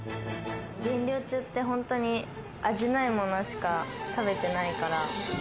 減量中って本当に味ないものしか食べてないから。